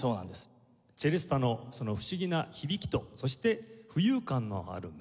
チェレスタのその不思議な響きとそして浮遊感のあるメロディー。